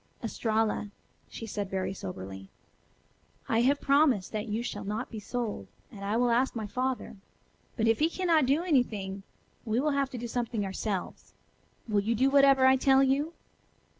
"Estralla," she said very soberly, "I have promised that you shall not be sold, and I will ask my father. But if he cannot do anything, we will have to do something ourselves. Will you do whatever I tell you?"